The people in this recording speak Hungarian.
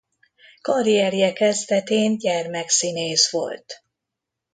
Karrierje kezdetén gyermekszínész volt.